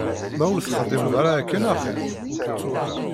Ma ur texdimeḍ ara akken axir.